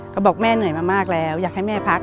ก็บอกแม่เหนื่อยมามากแล้วอยากให้แม่พัก